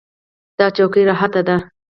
دا چوکۍ راحته ده.